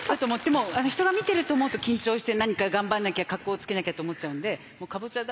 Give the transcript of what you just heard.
もう人が見てると思うと緊張して何か頑張らなきゃかっこつけなきゃって思っちゃうんでもうかぼちゃだ